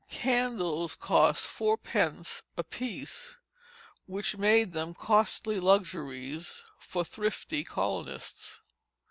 Candles cost fourpence apiece, which made them costly luxuries for the thrifty colonists.